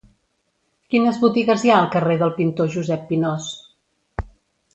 Quines botigues hi ha al carrer del Pintor Josep Pinós?